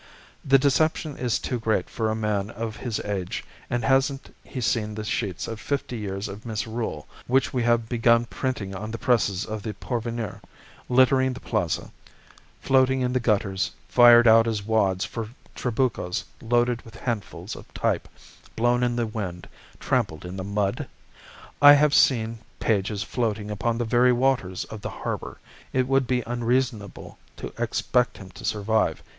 The deception is too great for a man of his age; and hasn't he seen the sheets of 'Fifty Years of Misrule,' which we have begun printing on the presses of the Porvenir, littering the Plaza, floating in the gutters, fired out as wads for trabucos loaded with handfuls of type, blown in the wind, trampled in the mud? I have seen pages floating upon the very waters of the harbour. It would be unreasonable to expect him to survive.